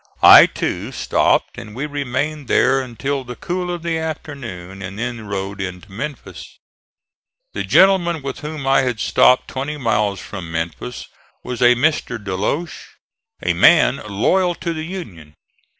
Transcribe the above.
I, too, stopped and we remained there until the cool of the afternoon, and then rode into Memphis. The gentleman with whom I had stopped twenty miles from Memphis was a Mr. De Loche, a man loyal to the Union.